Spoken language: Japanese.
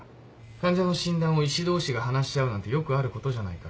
患者の診断を医師同士が話し合うなんてよくあることじゃないか。